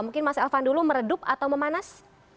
mungkin mas elvan dulu meredup atau memanas